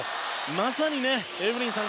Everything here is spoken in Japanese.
まさにエブリンさん